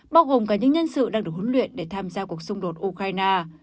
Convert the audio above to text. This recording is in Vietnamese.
bao gồm cả những nhân sự đang được huấn luyện để tham gia cuộc xung đột ukraine